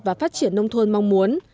và phát triển nông thôn mong muốn